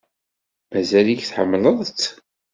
Mazal-ik tḥemmleḍ-tt?